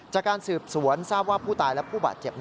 จากการสืบสวนทราบว่าผู้ตายและผู้บาดเจ็บ